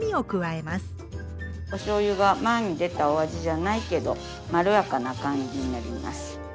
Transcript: おしょうゆが前に出たお味じゃないけどまろやかな感じになります。